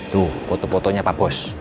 tuh foto fotonya pak bos